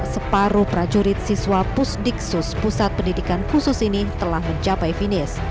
separuh prajurit siswa pusdikus pusat pendidikan khusus ini telah mencapai finish